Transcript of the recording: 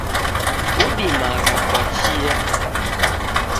Udimagha kwa chia